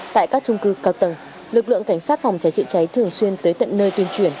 tại các trung cư cao tầng lực lượng cảnh sát phòng cháy chữa cháy thường xuyên tới tận nơi tuyên truyền